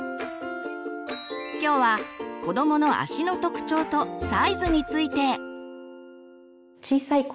今日は子どもの足の特徴とサイズについて。